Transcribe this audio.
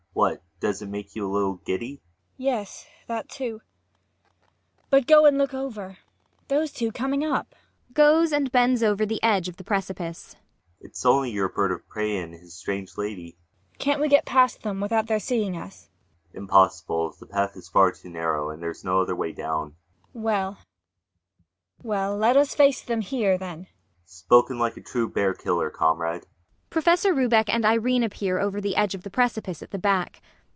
] What? Does it make you a little giddy? MAIA. [Faintly.] Yes, that too. But go and look over. Those two, coming up ULFHEIM. [Goes and bends over the edge of the precipice.] It's only your bird of prey and his strange lady. MAIA. Can't we get past them without their seeing us? ULFHEIM. Impossible! The path is far too narrow. And there's no other way down. MAIA. [Nerving herself.] Well, well let us face them here, then! ULFHEIM. Spoken like a true bear killer, comrade! [PROFESSOR RUBEK and IRENE appear over the edge of the precipice at the back.